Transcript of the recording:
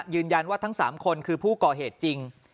ยืนยันว่าทั้ง๓คนคือผู้ก่อเหตุจริง